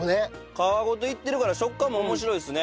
皮ごといってるから食感も面白いですね。